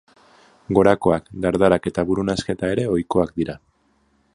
Gorakoak, dardarak eta buru-nahasketa ere ohikoak dira.